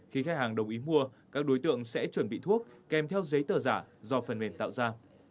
khi khách hàng đồng ý mua các đối tượng sẽ chuẩn bị thuốc kèm theo giấy tờ giả do phần mềm tạo ra